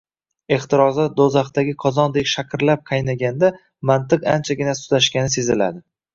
Ehtiroslar do’zaxdagi qozondek shaqirlab qaynaganda mantiq anchagina sustlashgani seziladi